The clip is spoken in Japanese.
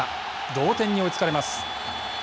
同点に追いつかれます。